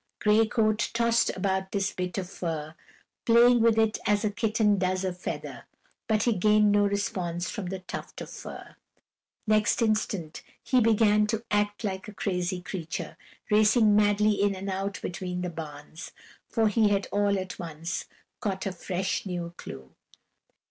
Gray Coat tossed about this bit of fur, playing with it as a kitten does a feather, but he gained no response from the tuft of fur. Next instant he began to act like a crazy creature, racing madly in and out between the barns, for he had all at once caught a fresh, new clue.